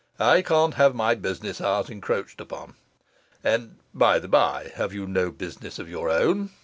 'I can't have my business hours encroached upon. And, by the by, have you no business of your own?